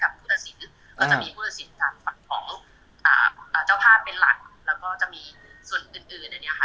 ผู้ตัดสินก็จะมีผู้ตัดสินจากฝั่งของเจ้าภาพเป็นหลักแล้วก็จะมีส่วนอื่นอื่นอันนี้ค่ะ